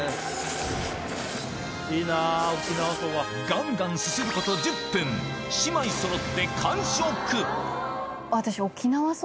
ガンガンすすること１０分姉妹そろって完食私。